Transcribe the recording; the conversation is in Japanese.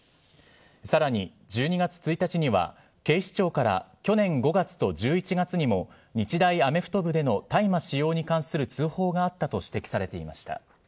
さらに、１２月１日には、警視庁から、去年５月と１１月にも、日大アメフト部での大麻使用に関する通報があったと指摘されていました。